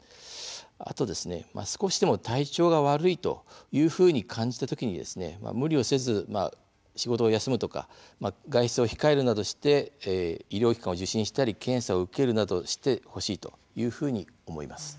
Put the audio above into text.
あと、少しでも体調が悪いというふうに感じたときに、無理をせず仕事を休むとか外出を控えるなどして医療機関を受診したり検査を受けるなどしてほしいというふうに思います。